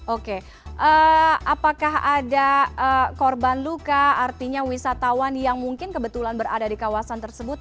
oke apakah ada korban luka artinya wisatawan yang mungkin kebetulan berada di kawasan tersebut